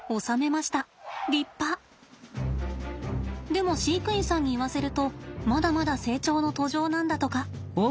でも飼育員さんに言わせるとまだまだ成長の途上なんだとか。